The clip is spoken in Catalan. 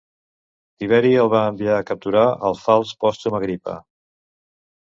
Tiberi el va enviar a capturar al fals Pòstum Agripa.